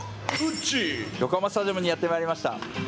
横浜スタジアムにやってまいりました。